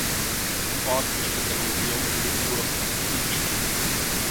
Im Ort besteht ein Museum für Ur- und Frühgeschichte.